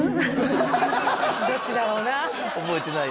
どっちだろうな？